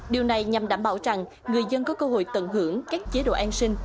điều này nhằm đảm bảo rằng người dân có cơ hội tận hưởng các chế độ an sinh